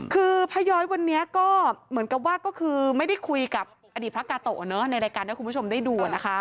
คือพระย้อยวันนี้ก็เหมือนกับว่าก็คือไม่ได้คุยกับอดีตพระกาโตะในรายการที่คุณผู้ชมได้ดูนะคะ